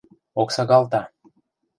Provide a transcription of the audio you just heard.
ОКСАГАЛТА